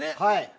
はい。